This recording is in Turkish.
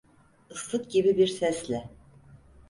Islık gibi bir sesle: